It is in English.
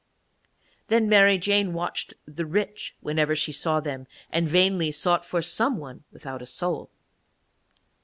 Then Mary Jane watched the rich whenever she saw them, and vainly sought for some one without a soul.